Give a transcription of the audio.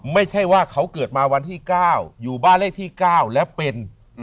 ไม่ใช่ว่าเขาเกิดมาวันที่๙อยู่บ้านเลขที่๙แล้วเป็น